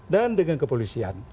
dan dengan kepolisian